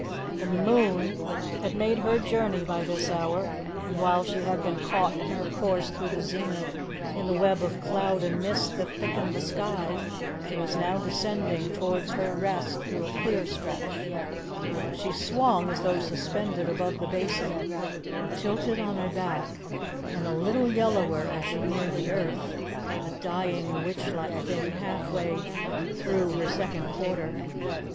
The moon had made her journey by this hour, and while she had been caught in her course through the zenith in the web of cloud and mist that thickened the sky, she was now descending towards her rest through a clear stretch; she swung, as though suspended above the Basin, tilted on her back, and a little yellower as she neared the earth, a dying, witch like thing, halfway through her second quarter.